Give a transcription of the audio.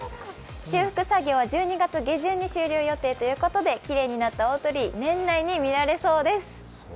修復作業は１２月下旬に終了予定ということできれいになった大鳥居、年内に見られそうです。